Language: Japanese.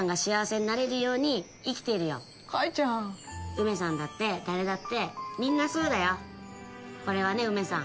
ウメさんだって誰だってみんなそうだよこれはねウメさん